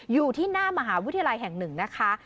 อยู่ที่หน้ามหาวิทยาลัยแห่งหนึ่งนะคะ